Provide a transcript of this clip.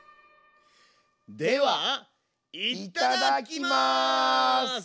ではいただきます！